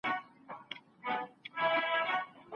چا مړ ږدن ډنډ ته نږدې ګاڼه؟